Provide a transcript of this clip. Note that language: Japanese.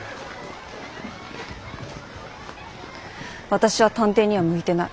私は探偵には向いてない。